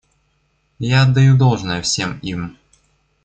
Я отдаю должное всем им.